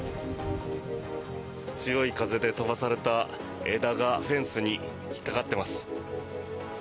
強い風で飛ばされた枝がフェンスに引っかかってます。